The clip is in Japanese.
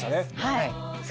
はい。